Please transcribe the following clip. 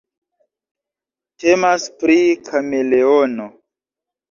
Temas pri kameleono.